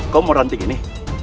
kau mau ranting ini